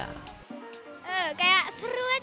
kayak seru aja gitu